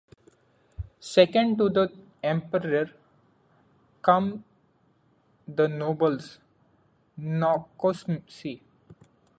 Second to the Emperor come the nobles: "Nakomse".